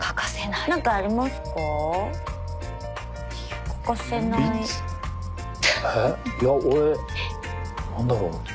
いや俺何だろう。